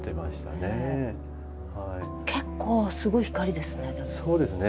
結構すごい光ですねでも。